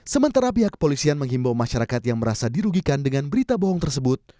sementara pihak kepolisian menghimbau masyarakat yang merasa dirugikan dengan berita bohong tersebut